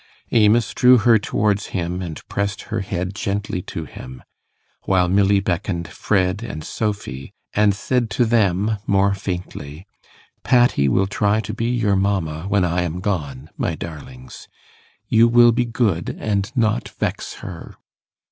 Amos drew her towards him and pressed her head gently to him, while Milly beckoned Fred and Sophy, and said to them more faintly, 'Patty will try to be your mamma when I am gone, my darlings. You will be good and not vex her.